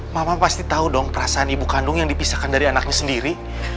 mama pasti tahu dong perasaan ibu kandung yang dipisahkan dari anaknya sendiri